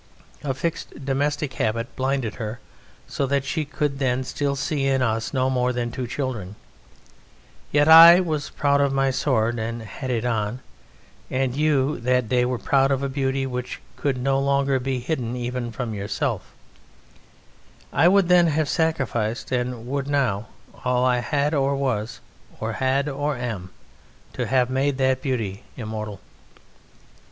A fixed domestic habit blinded her, so that she could then still see in us no more than two children; yet I was proud of my sword, and had it on, and you that day were proud of a beauty which could no longer be hidden even from yourself; I would then have sacrificed, and would now, all I had or was or had or am to have made that beauty immortal.